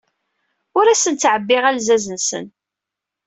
Ur asen-ttɛebbiɣ alzaz-nsen.